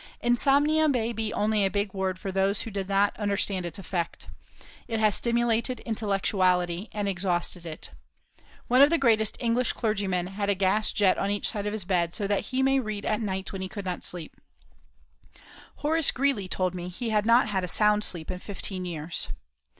Insomnia may be only a big word for those who do not understand its effect. It has stimulated intellectuality, and exhausted it. One of the greatest English clergymen had a gas jet on each side of his bed, so that he might read at nights when he could not sleep. Horace Greeley told me he had not had a sound sleep in fifteen years.